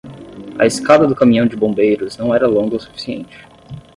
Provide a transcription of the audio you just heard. A escada do caminhão de bombeiros não era longa o suficiente.